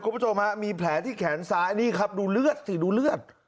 คุณผู้ชมฮะมีแผลที่แขนซ้ายอันนี้ครับดูเลือดสิดูเลือด